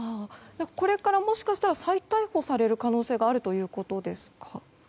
これからもしかしたら再逮捕される可能性があるということですか。